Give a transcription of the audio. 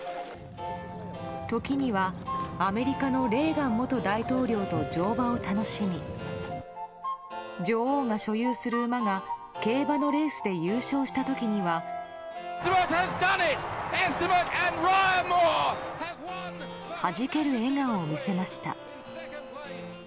時には、アメリカのレーガン元大統領と乗馬を楽しみ女王が所有する馬が競馬のレースで優勝した時には。はじける笑顔を見せました。